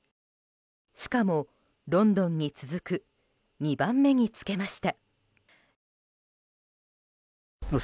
しかも、ロンドンに続く２番目につけました。